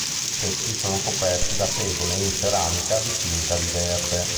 I tetti sono coperti da tegole in ceramica dipinta di verde.